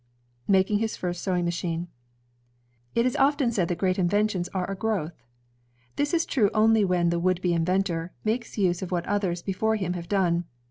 Making His First Sewing Machine It is often said that great inventions are a growth. This is true only when the would be inventor makes use of what others before him have done.